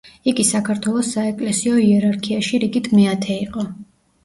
იგი საქართველოს საეკლესიო იერარქიაში რიგით მეათე იყო.